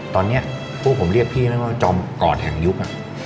ตอนนี้พวกผมเรียกพี่ไหมว่าจอมกอดแห่งยุค